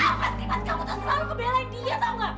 apa pas kamu kamu tak selalu kebelain dia tau gak